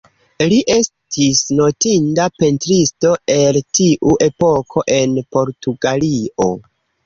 Li estis notinda pentristo el tiu epoko en Portugalio.